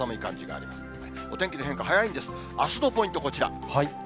あすのポイント、こちら。